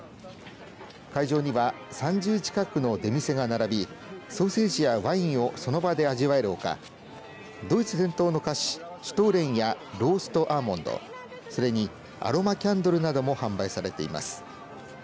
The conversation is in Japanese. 会場には、３０近くの出店が並びソーセージやワインをその場で味わえるほかドイツ伝統の菓子シュトーレンやロースト・アーモンドそれにアロマキャンドルなども販売されています。